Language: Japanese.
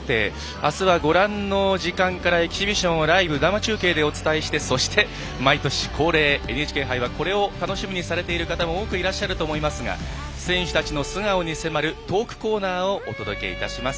あすは、ご覧の時間からエキシビジョンをライブ生中継でお伝えしてそして、毎年恒例ＮＨＫ杯はこれを楽しみにしている方もいらっしゃると思いますが選手たちの素顔に迫るトークコーナーをお届けいたします。